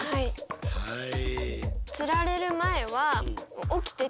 はい。